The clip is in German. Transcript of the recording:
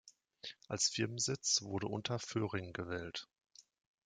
Als Firmensitz wurde Unterföhring gewählt.